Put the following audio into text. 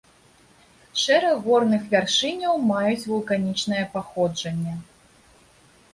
Шэраг горных вяршыняў маюць вулканічнае паходжанне.